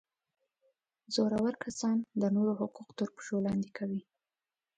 زورور کسان د نورو حقوق تر پښو لاندي کوي.